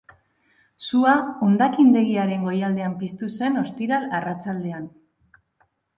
Sua hondakindegiaren goialdean piztu zen ostiral arratsaldean.